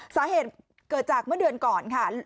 สาเหตุเกิดจากเมื่อเดือนก่อนค่ะ